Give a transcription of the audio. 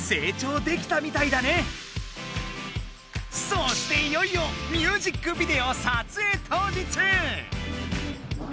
そしていよいよミュージックビデオ撮影当日。